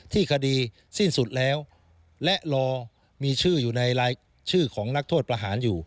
คดีสิ้นสุดแล้วและรอมีชื่ออยู่ในรายชื่อของนักโทษประหารอยู่